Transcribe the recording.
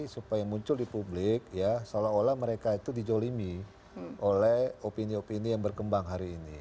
supaya muncul di publik ya seolah olah mereka itu dijolimi oleh opini opini yang berkembang hari ini